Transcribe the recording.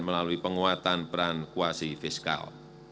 melalui penguatan peran kuasi fiskal